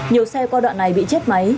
nhiều xe qua đoạn này bị chết máy